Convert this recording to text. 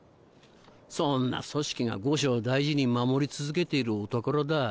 そんな組織が後生大事に守り続けているお宝だ。